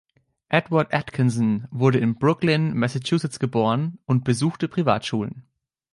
Edward Atkinson wurde in Brookline, Massachusetts geboren und besuchte Privatschulen.